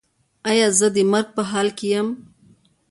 ایا زه د مرګ په حال کې یم؟